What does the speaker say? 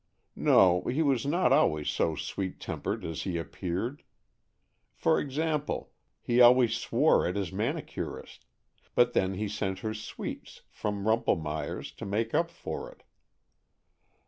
No, he was not always so sweet tempered as he appeared. For ex ample, he always swore at his manicurist; but then he sent her sweets from Rumpel mayer's to make up for it.